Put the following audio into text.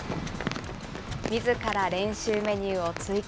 みずから練習メニューを追加。